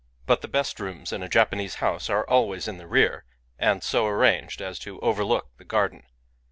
But the best rooms in a Japanese house are always in the rear, and so arranged as to overiook the garden.